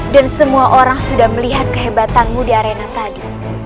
dan semua orang sudah melihat kehebatanmu di arena tadi